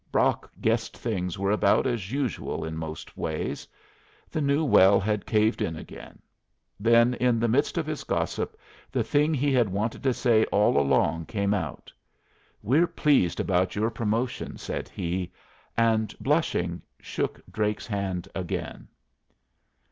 Brock guessed things were about as usual in most ways. The new well had caved in again. Then, in the midst of his gossip, the thing he had wanted to say all along came out: "We're pleased about your promotion," said he; and, blushing, shook Drake's hand again.